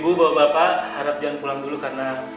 ibu ibu bapak bapak harap jangan pulang dulu karena